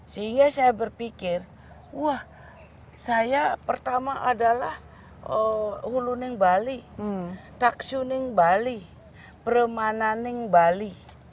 sehingga saya berpikir wah saya pertama adalah uluning bali taksuning bali permananing bali